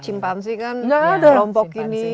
cimpansi kan kelompok ini